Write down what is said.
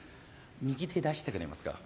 右手出してくれますか？